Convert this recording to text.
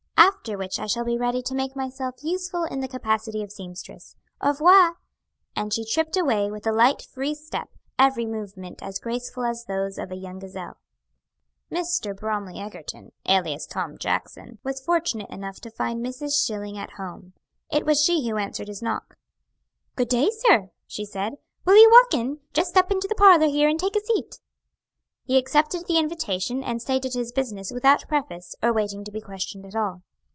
"After which I shall be ready to make myself useful in the capacity of seamstress. Au revoir." And she tripped away with a light, free step, every movement as graceful as those of a young gazelle. Mr. Bromly Egerton, alias Tom Jackson, was fortunate enough to find Mrs. Schilling at home. It was she who answered his knock. "Good day, sir," she said. "Will you walk in? Just step into the parlor here, and take a seat." He accepted the invitation and stated his business without preface, or waiting to be questioned at all.